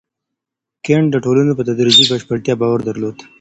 کنت د ټولنو په تدريجي بشپړتيا باور درلود.